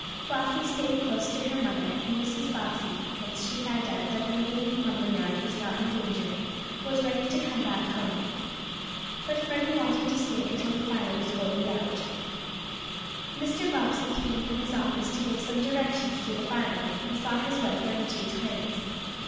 Flossie stayed close to her mother, and Mrs. Bobbsey, once she found out that the main lumber yard was not in danger, was ready to come back home. But Freddie wanted to stay until the fire was wholly out. Mr. Bobbsey came from his office to give some directions to the firemen, and saw his wife and the two twins.